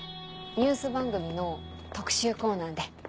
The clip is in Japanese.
ニュース番組の特集コーナーで。